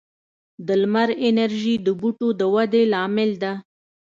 د لمر انرژي د بوټو د ودې لامل ده.